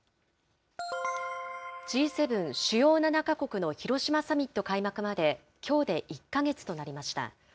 Ｇ７・主要７か国の広島サミット開幕まで、きょうで１か月となりました。